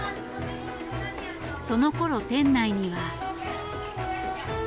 その頃店内には。